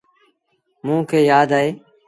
موݩ کي يآدا اهيݩ۔